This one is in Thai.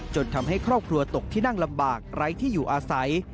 ทำให้ครอบครัวตกที่นั่งลำบากไร้ที่อยู่อาศัย